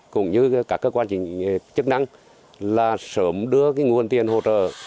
cũng như các cơ quan chức năng là sớm đưa nguồn tiền hỗ trợ